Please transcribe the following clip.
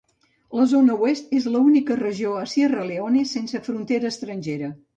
La zona oest és l'única regió a Sierra Leone sense frontera estrangera.